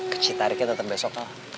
ke citariknya tetep besok kal